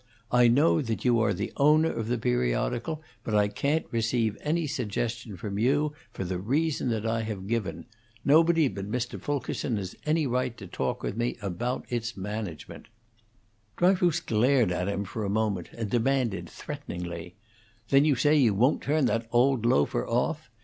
"I know that you are the owner of the periodical, but I can't receive any suggestion from you, for the reason that I have given. Nobody but Mr. Fulkerson has any right to talk with me about its management." Dryfoos glared at him for a moment, and demanded, threateningly: "Then you say you won't turn that old loafer off?